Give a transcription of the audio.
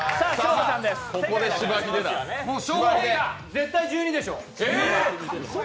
絶対１２でしょ。